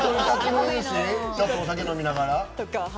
ちょっとお酒とか飲みながら。